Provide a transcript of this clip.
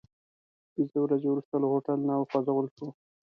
پنځه ورځې وروسته له هوټل نه وخوځول شوو.